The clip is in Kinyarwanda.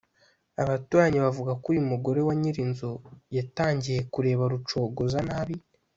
Abaturanyi bavuga ko uyu mugore wa nyir’inzu yatangiye kureba Rucogoza nabi